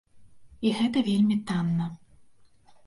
І гэта вельмі танна.